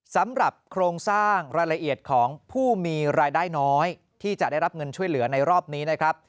สำหรับโครงสร้างรายละเอียดของผู้มีรายได้น้อยที่จะได้รับเงินช่วยเหลือในรอบนี้นะครับ